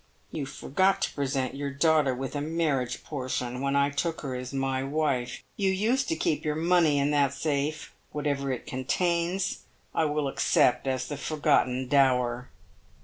" You forgot to present your daughter with a marriage portion, when I took her as my wife. You used to keep your money in that safe. "Whatever it contains I will accept as the forgotten dower."